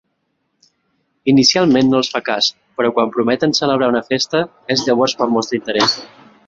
Inicialment no els fa cas, però quan prometen celebrar una festa és llavors quan mostra interès.